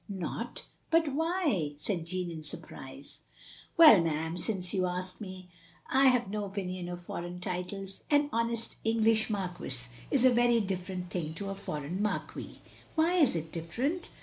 "Not! But why?" said Jeanne, in surprise. "Well ma'am, since you ask me, I have no opinion of foreign titles. An honest English marquis is a very different thing to a foreign marquee. " "Why is it different?"